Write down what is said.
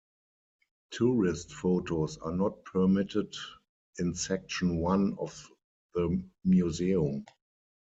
Tourist photos are not permitted in Section One of the museum.